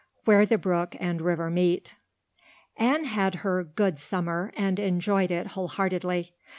Where the Brook and River Meet ANNE had her "good" summer and enjoyed it wholeheartedly.